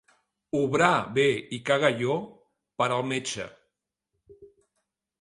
Obrar bé i cagalló per al metge.